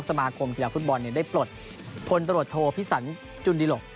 สมาคมที่เราฟุตบอลได้ปลดพลตรวจโทษภิษศรจุลดิรก